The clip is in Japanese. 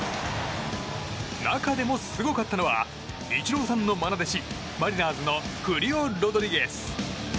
中でもすごかったのはイチローさんの愛弟子マリナーズのフリオ・ロドリゲス。